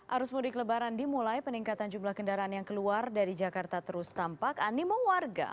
arus mudik lebaran dimulai peningkatan jumlah kendaraan yang keluar dari jakarta terus tampak animo warga